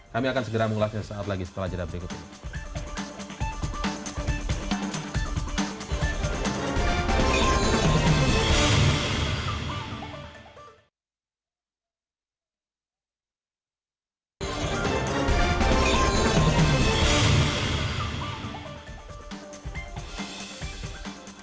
kami akan segera mengulasnya setelah jadwal berikutnya